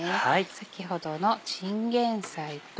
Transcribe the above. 先ほどのチンゲンサイと。